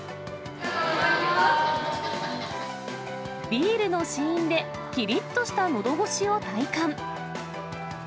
ビールの試飲できりっとしたのどごしを体感。